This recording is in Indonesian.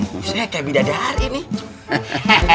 busnya kayak beda dari nih